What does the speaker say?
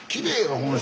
この人。